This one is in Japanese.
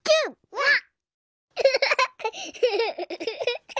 わっ！